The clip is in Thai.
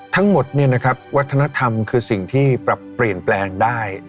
ทั้งหมดวัฒนธรรมคือสิ่งที่ปรับเปลี่ยนแปลงได้